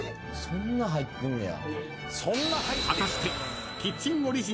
そんな入ってんねや。